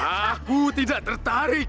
aku tidak tertarik